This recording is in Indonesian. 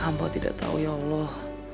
hamba tidak tahu ya allah